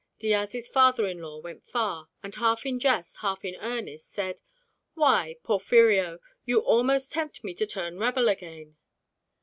Diaz's father in law went far, and half in jest half in earnest said, "Why, Porfirio, you almost tempt me to turn rebel again."